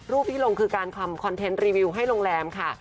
ที่ลงคือการทำคอนเทนต์รีวิวให้โรงแรมค่ะ